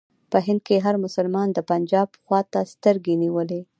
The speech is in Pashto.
په هند کې هر مسلمان د پنجاب خواته سترګې نیولې.